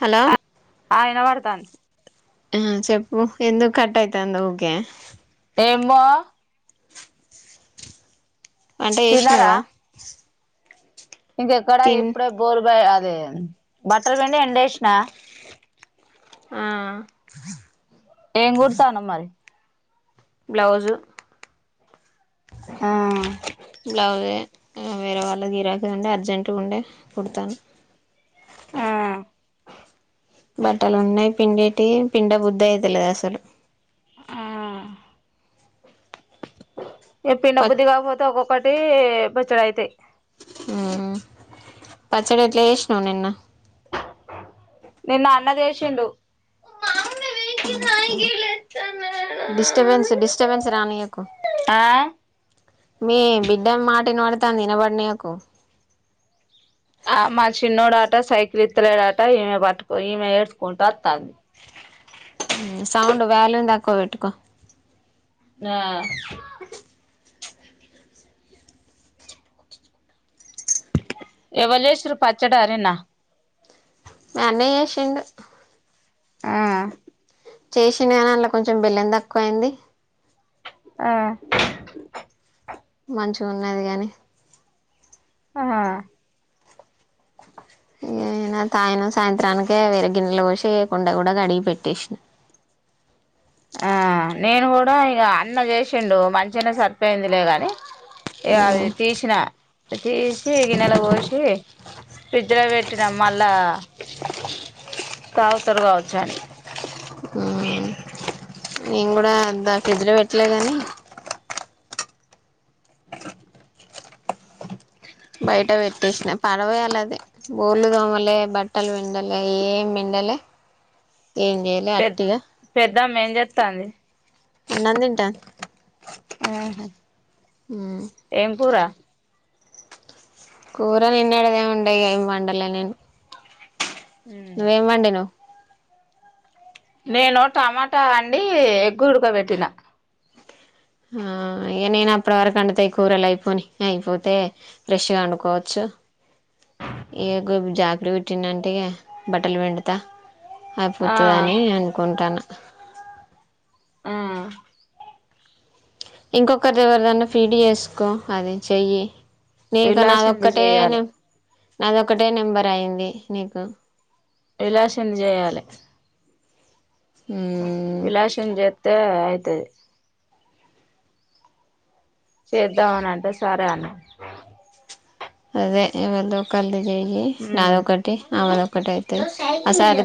Hello. ఆ ఇనబడ్తాంది. ఊ చెప్పు, ఎందుకటైతాంది ఊకే.? ! ఏమ్బా. అంటా తిన్నారా ఏస్నావా.? ! ఇంకెక్కడ ఇప్పుడే బోరుబాయి అదే, బట్టల్ పిండి ఎండెస్నా. హా. ఏం గుడ్తాన్నవ్ మరి.? బ్లౌజు. బ్లౌజే. ఆ వేరే వాళ్ళ గీరాకి ఉండే, అర్జెంటుగుండే, కుడతాన్. ఆ. పిండెటి, పిండా బుద్దైతలే అస్సలు. ఇగా పిండ ప బుద్ధి గాపోతే ఒక్కొక్కటి బొచ్చడైతాయి. ఆ పచ్చడెట్లా జేష్నవ్ నిన్నా.? ! నిన్న అన్న జేసిండు. Disturbance, disturbance రానియకు. అ. మీ బిడ్డ మాటినబడతాంది, ఇనబడనీయకు. ! ఆ మా చిన్నోడాట సైకిలిత్తలేడాట ఈమె బట్టుకో, ఈమె ఏడ్చకుంటాత్తాంది. ఉమ్మ్మ్ సౌండ్ వాల్యూం దకువబెట్టుకో. న్హా. యావల్జేసిరు పచ్చడా నిన్నా.? మీ అన్నె జేసిండు. ఆహా. చేసిన్డుగానీ అండ్ల కొంచెం బెల్లం దక్కువైంది. ఆ. మంచిగున్నది గాని. అహా. ఇగా. నేను తాయినా సాయంత్రానికే వేరే గిన్నెల బోసి కుండా గూడా గడిగి పెట్టేస్నా. ఆ నేను గూడా ఇగా అన్న జేసిండు, మంచిగానే సరిపోయిందిలేగాని. ఇగా అది తీసిన, తీసి గిన్నెల బోషి. ఫ్రిడ్జ్ లో పెట్టినా మళ్ళా తాగుతరు కావచ్చు అని నేను కూడా దా ఫ్రిడ్జ్లో పెట్టలే గాని బయట పెట్టేసిన పాడవయాలది బోర్లు తోమలే బట్టలు విండలే ఏం పిన్ డలె ఏం చెయ్యలే అట్టే ఇగ ధం ఏం చెత్తంది అన్నం తింటాంది ఆహా ఏం కూర కూర నిన్నడిదే ఉండే ఇగ ఏం వండలే నేను నువ్వేం వండినవ్ నేను టమాటా అండి ఎగ్గు ఉడకబెట్టినా ఆ ఇగ నేను అప్పటి వరకు అండుతాయి కూరలు అయిపోని అయిపోతే ఫ్రెష్గా వండుకోవచ్చు ఏ గోబీ జాకరీ పెట్టిండు అంటే ఇగ బట్టలు పిండుత ఆ అయిపోతదని అనుకుంటాన్న ఆ ఇంకొకరిది ఎవరిదనా ఫీడ్ చేసుకో అది చెయ్యి నీకు విలాసింది చేయాలి నాదొక్కటేన నాదొక్కటే నెంబర్ అయింది నీకు ఎలాసన్ చేయాలె మ్మ్. విలాసన్ చెత్తే అయితది చేద్దం అని అంటే సరే అన్న అదే ఇవాల్దో ఒక్కళ్ది [unintelligible] నాదొకటి ఆమెది ఒకటి ఏదో ఐతది ఆ సైకిల్ సారి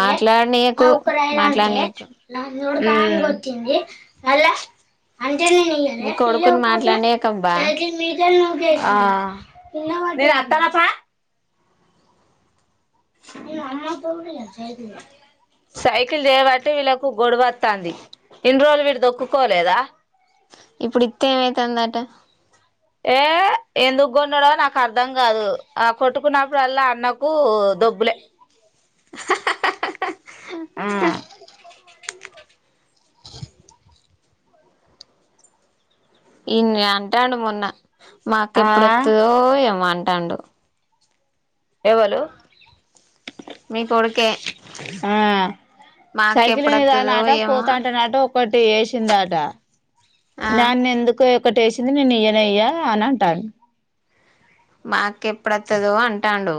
మాట్లాడినియ్యకు ఒక ఊ మీ కొడుకుని మాట్లాడనీయకబ్బా ఆ నేను అత్తనపా నేను అమ్మ తోటి కదా సైకిల్ సైకిల్ చేయబట్టి వీళ్ళకు గొడవత్తాంది ఇన్ని రోజులు వీడు దొక్కుకోలేదా ఇప్పుడు ఇత్తేే ఏమైతాందట ఏ ఎందుకు కొన్నాడో నాకు అర్ధం గాదు ఆ కొట్టుకున్నప్పుడల్లా అన్నకు దొబ్బులే ఆ ఈన్ని అంటాడు మొన్న మా ఆ అక్కెప్పుడొత్తుదో ఏమో అంటాడు ఎవలు మీ కొడుకే ఆ మా అక్క సైకిల్ మీద ఎప్పుడొత్తదో నట ఏమో పోతాఉంటే నట ఒక టి ఏసిందట ఆ దాన్నెందుకే ఒక్కటేసింది నేను ఇయ్యనే ఇయ్య అని అంటాను మా అక్క ఎప్పుడొత్తదో అంటాండు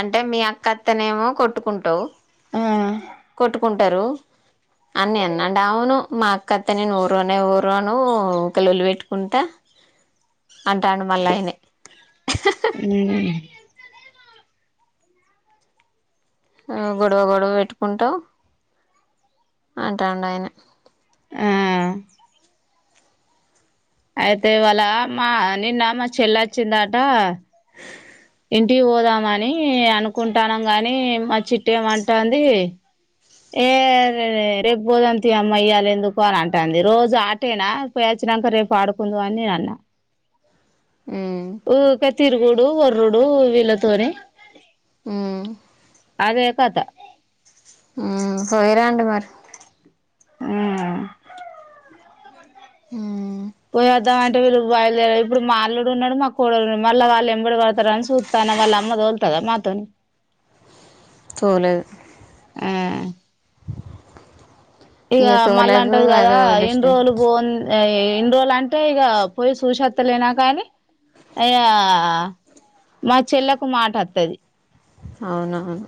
అంటే మీ అక్క అత్తేనేమో కొట్టుకుంటావు ఆ కొట్టుకుంటారు అన్ని [inaudible] అవును మా కత్త నేను ఊర్వనే ఊర్వను ఊకే లొల్లి పెట్టుకుంటా అంటాండు మళ్ళ ఆయనే మ్మ్ ఆ గొడవ గొడవ పెట్టుకుంటావ్ అంటాడు ఆయన ఆ అయితే వాళ్ళ అమ్మ నిన్న మా చెల్ల వచ్చిందట ఇంటికి పోదామని అనుకుంటానం గాని మా చిట్టి ఏమంటంది ఏ రే రేపు బోదాం తీ అమ్మ ఇయ్యాలి ఎందుకు అని అంటాంది, రోజు ఆటేనా పోయి వచ్చినాంక రేపు ఆడుకుందువు అని నేను అన్నా మ్మ్ ఊకే తిరుగుడు వొర్రుడు వీళ్ళ తోని హ్మ్ అదే కథ ఉమ్ పోయ్ రాండి మరి ఉమ్ ఉమ్ పోయా ద్దాం అంటే వీళ్ళు బయలుదేర్లె ఇప్పుడు మాఅల్లుడు ఉన్నడు మా కోడ ఉంది మళ్ళ వాళ్ళెంబడి పోతరని చూస్తాన మళ్ళ అమ్మ దోల్తదా నాతోని తోలదు ఉమ్ ఇగ మళ్ళా తోలేదు అంటది గదా అదో ఇన్ని రోజులు డిస్టబెన్స్ పో ఇన్ని రోజులు అంటే ఇగ పోయి సూసొత్తలేనా కానీ అయ్యా మా చెల్లకు మాట వత్తది అవునవును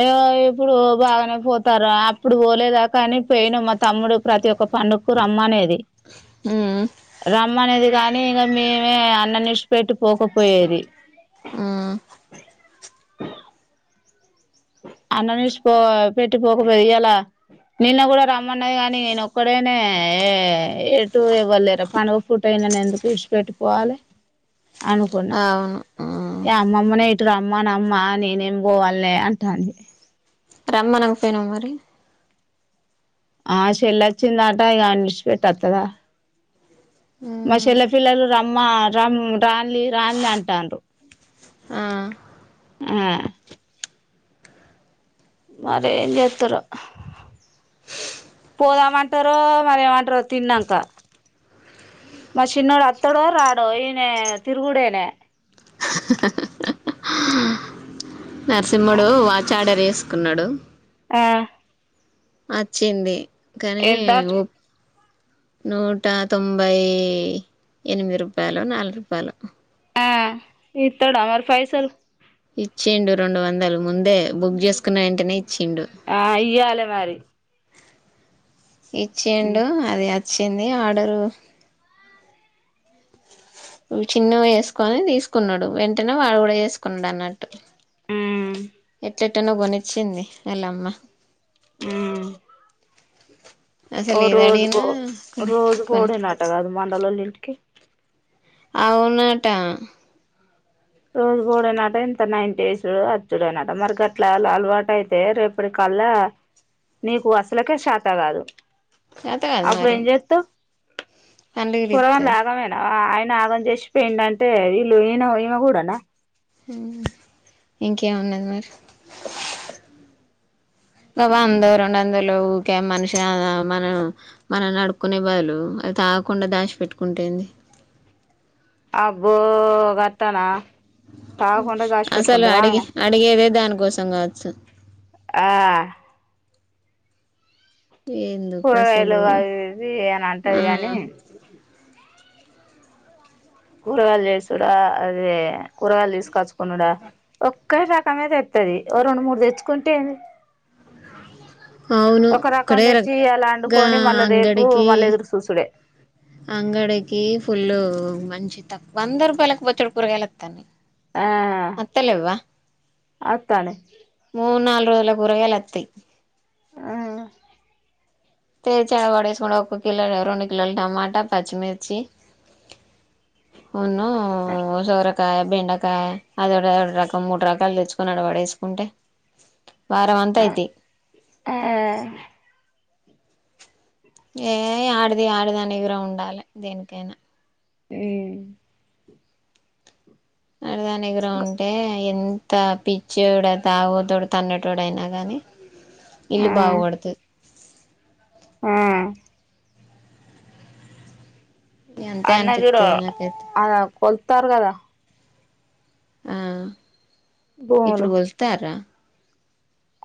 అయ్యో ఇప్పుడు బాగానే పోతారు అప్పుడు పోలేదా కానీ పోయినం మా తమ్ముడు ప్రతి ఒక్క పండుకు రమ్మనేది మ్మ్ రమ్మనేది గానీ ఇగ మేమే అన్న నిడిషి పెట్టి పోకపోయేది మ్మ్ అన్న నిడిషి పో పెట్టి పోకపోయేది ఇయాలా నిన్న గూడా రమ్మన్నది కాని ఈన ఒక్కడేనే ఏ ఎటు ఏవ్వలేరా పండుగ పుట ఈనను ఎందుకు ఇడ్చిపెట్టిపోవాలే అనుకున్నా అవును మ్మ్ ఇగ అమ్మమ్మనే ఇటు రమ్మనమ్మా నేనేమ్ పోవాలనే అంటాంది రమ్మనక పోయినవ్ మరి ఆ షెల్ల వచ్చిందట ఇగ ఆన్ని ఇడ్చిపెట్టి వత్తదా మాషెల్లె పిల్లలు రమ్మ రమ్ రాన్లి రాన్లి అంటాంర్రు ఆ ఉమ్ మరేం జేత్తరో పోదామంటరో మరేమంటరో తిన్నంక మా చిన్నోడు అత్తడో రాడో ఈయనే తిరుగుడేనాయ్ నరసింహుడు వాచ్ ఆర్డర్ జేసుకున్నడు ఆ అచ్చింది కానీ ఎంత నూట తొంభై ఎనిమిది రూపాయలో నాలుగు రూపాయలో ఆ ఇత్తడా మరి ఫైసల్ ఇచ్చిండు రెండు వందలు ముందే బుక్ జేసుకున్న వెంటనే ఇచ్చిండు ఆ ఇయ్యాలే మరి ఉమ్ ఇచ్చిండు అది అచ్చింది ఆర్డరు ఇవి చిన్నవి యేసుకొని తీసుకున్నాడు వెంటనే వాడు గూడా జేసుకున్నాడు అన్నట్టు ఉమ్ ఎట్టనో గొనిచ్చింది ఆలమ్మ ఉమ్ ఓ అసలు ఏది రోజు అడిగినా బో కొని రోజు కొని బోవుడేనట్ట గాదు మండలోలు ఇంటికి అవునటా రోజు బోవుడేనట ఇంత నైన్ డేసు అచ్చుడేనట మరి గట్లా అలవాటు అయితే రేపటి అల్ల నీకు అసలకే షేత గాదు చేతకాదు మరి కళ్ళకి పోరగాళ్ళు తిత్తది ఆగమేనా ఆయ నాగం జేసిపోయిండంటే వీళ్ళు ఈయన ఈమె గూడనా ఉమ్ ఇంకేమున్నది మరి వందో రెండొందలో ఊకె మనిషి కాదా మనం మనల్ని అడుక్కునే బదులు వాళ్ళు తాగకుండ దాచి పెట్టుకుంటేంది అబ్బో గట్టనా తాగకుండా దాసి అసలు పెట్టుకుంటదా అడిగి ఆమె అడిగేదే దానికోసం కావచ్చు ఆ ఎందుకు కూరగాయలు అసలు అవి ఇవి అని అంటది ఆ కాని కూరగాయలు చేసుడా అదే కూరగాయలు తీసుకొచ్చుకునుడా ఒక్క రకం తెత్తది ఓ రెండు మూడు తెచ్చుకుంటే ఏంది ఆ అవును ఒక అక్కడే రకం తెచ్చి ఇయాల గా అండుకొని మళ్ళా రేపు అంగడికి మళ్ళా ఎదురు చూసుడే అంగడికి ఫుల్ మంచి తక్కువ వంద రూపాయలకు బొచ్చడు కూరగాయలు వత్తాన్నయి ఆ అత్తాన్నయి మూడు నాలుగు రోజల కూరగాయలు వత్తయి ఆ తెచ్చి ఆడ పడేసుకుంటే ఒక్క కిలో రెండు కిలోలు టమాటా పచ్చిమిర్చి ఉను సొరకాయ బెండకాయ అదోటి అదోటి రకం మూడు రకాలు తెచ్చుకొని అడ పడేసు కుంటే వారం అంత ఆ అయితయి ఆ ఏ ఆడిది ఆడిదాని ఇగురం ఉండాలి దేనికైనా ఉమ్ అడదాని ఇగురం ఉంటే ఎంత త పిచ్చోడు తాగుబోతోడు తన్నేటోడయినా గాని ఇల్లు ఉమ్ బాగుపడతది ఆ అంతే అన్నగిన అనిపిత్తది నాకైతే ఆగాగు కోల్తారు కదా ఆ భూములు ఇప్పుడు కోల్తార్రా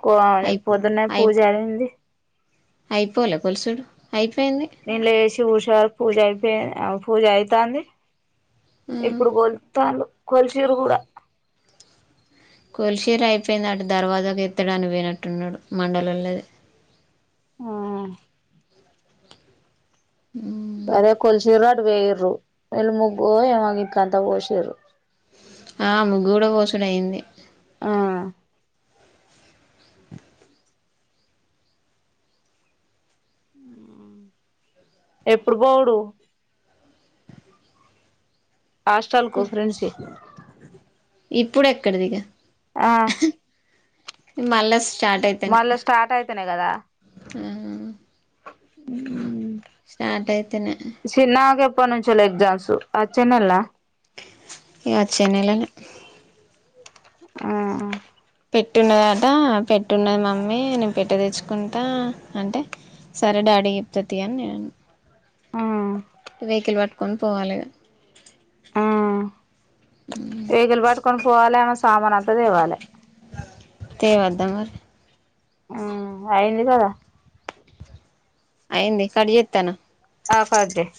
కో ఆ పొద్దున్నే అయి పూజ అయింది అయిపోలే కొలుసుడు అయిపో నేను లేసి చూసేవరకు పూజ అయిపోయి పూజ అయితాంది ఆ ఇప్పుడు కొలుత్తాల్లు కొలిషిరు కూడా కొలిశిర్రు అయిపోయింది అటు దర్వాజకు ఎత్తడానికి వపోయినట్టున్నడు మండలోల్లది ఆ అదే కొలిశిర్రు అటు పాయిర్రు వీళ్ళు ముగ్గు ఏమో వీటికంత పోషిర్రు ఆ ముగ్గు కూడా పోసుడయింది ఆ ఎప్పుడు పోవుడు హాస్టల్కు ప్రిన్సీ ఇప్పుడు ఎక్కడిదిగ ఆ మళ్ళ మళ్ళా స్టార్ట్ అయితేనే కదా స్టార్ట్ అయితేనే చిన్నమేకి చెప్ ఎప్పటినుంచెలి ఎగ్జామ్స్ అచ్చే నెలనా ఇగ వచ్చే నెలనే ఆ పెట్టే ఉన్నదట పెట్టున్నది మమ్మీ నేను పెట్ట తెచ్చుకుంటా అంటే సరే డాడీ కి చెప్త తీయి అని నేనన్న ఆ వెహికల్ పట్టుకొని పోవాలిగా ఆ వెహికల్ పట్టుకొని పోవాలే ఆమే సామాను అంత తేవాలే తేవద్దా మరి అయింది కదా అయింది కట్ చేతన ఆ కట్ చేయి